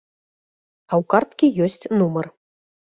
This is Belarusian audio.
А ў карткі ёсць нумар.